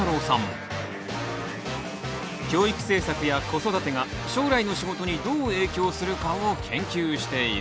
教育政策や子育てが将来の仕事にどう影響するかを研究している。